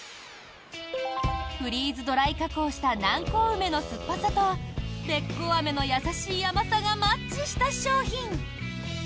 フリーズドライ加工した南高梅の酸っぱさとべっこうアメの優しい甘さがマッチした商品。